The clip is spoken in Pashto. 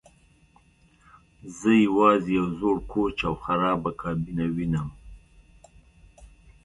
زه یوازې یو زوړ کوچ او خرابه کابینه وینم